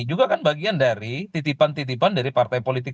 juga kan bagian dari titipan titipan dari partai politik